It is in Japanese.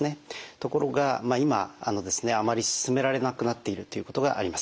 ところが今あのですねあまり勧められなくなっているっていうことがあります。